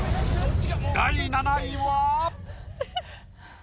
第７位は？